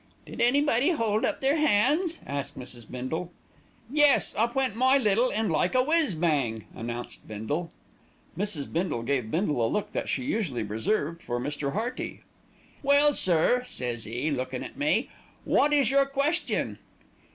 "Did anybody hold up their hands?" asked Mrs. Bindle. "Yes, up went my little 'and like a whiz bang," announced Bindle. Mrs. Bindle gave Bindle a look that she usually reserved for Mr. Hearty. "'Well, sir!' says 'e, lookin' at me, 'wot is your question?'